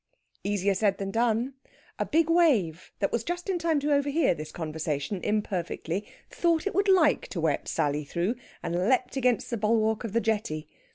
Easier said than done! A big wave, that was just in time to overhear this conversation imperfectly, thought it would like to wet Sally through, and leaped against the bulwark of the jetty.